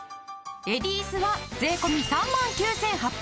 レディースは税込３万９８００円。